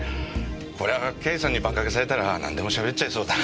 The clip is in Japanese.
こりゃ刑事さんにバンカケされたらなんでもしゃべっちゃいそうだ。